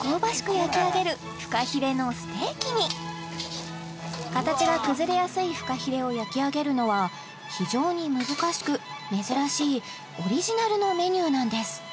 焼き上げるフカヒレのステーキに形が崩れやすいフカヒレを焼き上げるのは非常に難しく珍しいオリジナルのメニューなんです